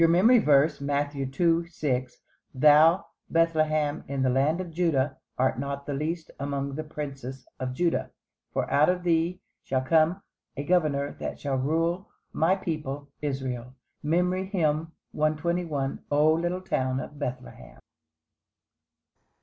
MEMORY VERSE, Matthew 2: 6 "Thou, Bethlehem, in the land of Juda, art not the least among the princes of Juda: For out of thee shall come a Governor that shall rule my people Israel." MEMORY HYMN _"O little town of Bethlehem."